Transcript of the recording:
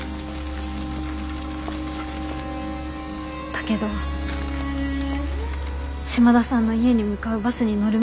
だけど島田さんの家に向かうバスに乗る前に。